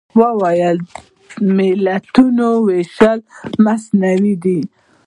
هغوی ویل ملتونو وېشل مصنوعي دي.